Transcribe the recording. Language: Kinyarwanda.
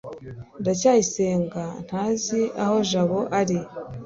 ndacyayisenga ntazi aho jabo ari